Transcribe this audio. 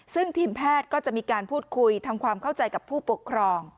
ซึ่งทีมแพทย์ก็จะมีการพูดคุยทำความเข้าใจกับผู้ปกครอง